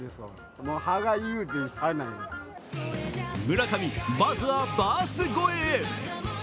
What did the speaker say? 村上、まずはバース超えへ。